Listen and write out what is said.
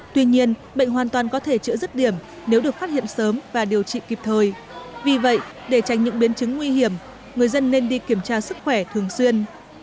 tuy nhiên bệnh hoàn toàn có thể chữa dứt điểm nếu được phát hiện sớm và điều trị kịp thời vì vậy để tránh những biến chứng nguy hiểm người dân nên đi kiểm tra sức khỏe thường xuyên